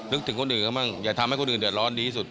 นึกถึงคนอื่นก็บ้างอยากทำให้คนอื่นเดี๋ยวร้อนดีสุด